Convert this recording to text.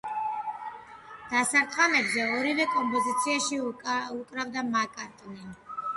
დასარტყამებზე ორივე კომპოზიციაში უკრავდა მაკ-კარტნი.